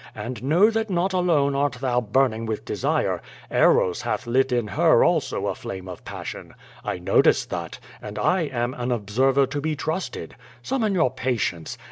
And know that not alone art thou burning with desire; Eros hath lit in her also a flame of passion. I noticed that, and I am an observer to be trusted. Summon your patience.